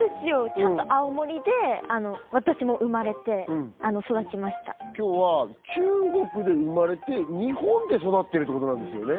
ちゃんと青森で私も生まれて育ちました今日は中国で生まれて日本で育ってるってことなんですよね